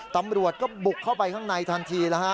ตำรวจก็บุกเข้าไปข้างในทันทีแล้วฮะ